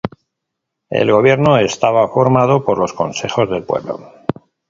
El gobierno estaba formado por los "consejos del pueblo".